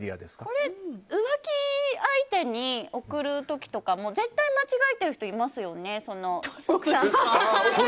これ、浮気相手に送る時とかも絶対に間違えている人いますよね。